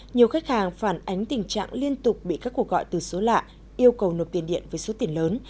nhiều khách hàng phản ánh tình trạng liên tục bị các cuộc gọi từ số lạ yêu cầu nộp tiền điện với số tiền lớn